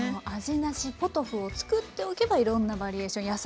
味なしポトフを作っておけばいろんなバリエーション